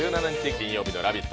金曜日の「ラヴィット！」